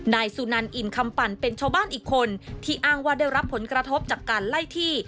นายสุนันอิ่มคำปั่นเป็นชาวบ้านอีกคนที่อ้างว่าได้รับผลกระทบจากการไล่ที่